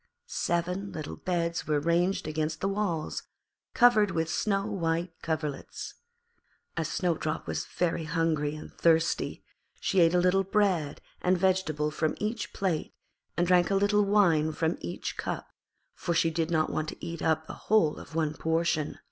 Seven little beds were ranged against the walls, covered with snow white coverlets. As Snowdrop was very hungry and thirsty she ate a little bread and vegetable from each plate, and drank a little wine from each cup, for she did not want to eat up the whole of one portion.